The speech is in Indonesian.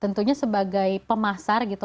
tentunya sebagai pemasar gitu